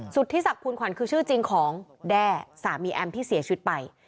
สุธิศักดิภูลขวัญคือชื่อจริงของแด้สามีแอมที่เสียชีวิตไป